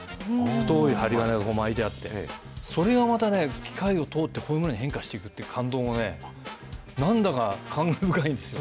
太い針金が巻いてあって、それがまたね、機械を通って、こういうものに変化していくっていう感動もね、なんだか感慨深いんですよ。